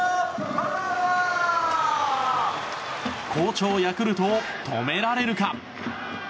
好調ヤクルトを止められるか？